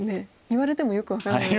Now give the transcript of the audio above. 言われてもよく分からない。